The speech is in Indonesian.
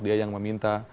dia yang meminta